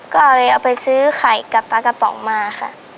ก็เลยเอาไปซื้อไข่กับปลากระป๋องมาค่ะ